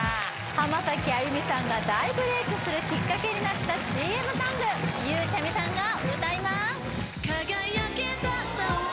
浜崎あゆみさんが大ブレイクするきっかけになったＣＭソングゆうちゃみさんが歌います